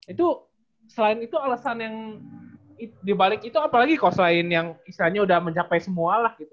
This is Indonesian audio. itu selain itu alasan yang dibalik itu apalagi cost lain yang istilahnya udah mencapai semua lah gitu